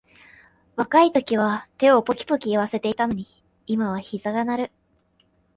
若いときは手をポキポキいわせていたのに、今はひざが鳴る